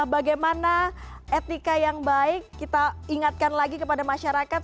bagaimana etika yang baik kita ingatkan lagi kepada masyarakat